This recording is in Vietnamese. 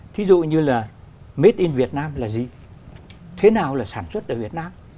thí dụ như là made in việt nam là gì thế nào là sản xuất ở việt nam